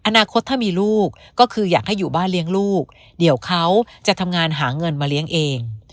อนาคตถ้ามีลูกก็คืออยากให้อยู่บ้านเลี้ยงลูกเดี๋ยวเขาจะทำงานหาเงินมาเลี้ยงเอง